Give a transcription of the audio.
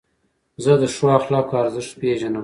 زه د ښو اخلاقو ارزښت پېژنم.